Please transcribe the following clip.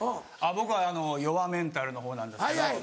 僕弱メンタルの方なんですけど。